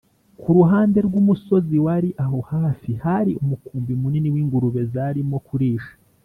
ku ruhande rw’umusozi wari aho hafi, hari umukumbi munini w’ingurube zarimo kurisha